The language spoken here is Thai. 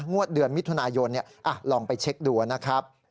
เดือนมิถุนายนลองไปเช็คดูนะครับ